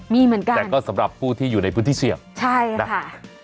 มีเหมือนกันแต่ก็สำหรับผู้ที่อยู่ในพื้นที่เสี่ยงใช่ค่ะนะคะ